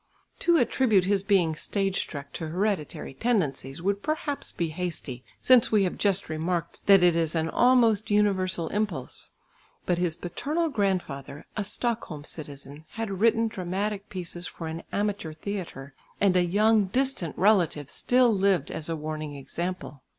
To attribute his being stage struck to hereditary tendencies would perhaps be hasty, since we have just remarked that it is an almost universal impulse. But his paternal grandfather, a Stockholm citizen, had written dramatic pieces for an amateur theatre, and a young distant relative still lived as a warning example.